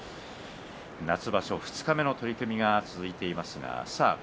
夏場所二日目の取組が続いています。